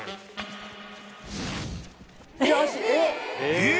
［えっ！